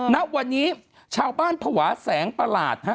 ณวันนี้ชาวบ้านภาวะแสงประหลาดฮะ